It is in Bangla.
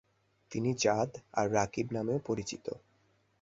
তিনি জাদ আর-রাকিব নামেও পরিচিত।